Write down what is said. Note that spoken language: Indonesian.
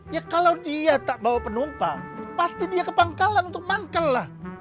ya kalau dia tak bawa penumpang pasti dia ke pangkalan untuk manggal lah